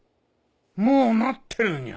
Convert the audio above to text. もうなってるにゃ。